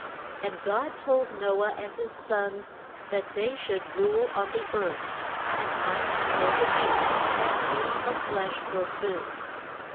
And God told No ah and his sons that they should rule on the earth, and might kill the beasts and use the flesh for food.